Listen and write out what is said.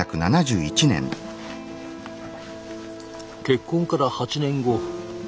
結婚から８年後。